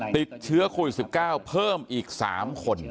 ติดเชื้อโควิด๑๙เพิ่มอีก๓คน